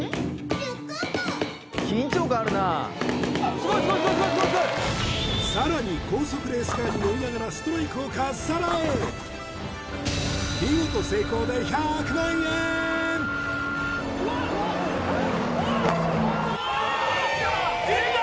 すごいすごいすごいすごいさらに高速レースカーに乗りながらストライクをかっさらえ見事うわいった！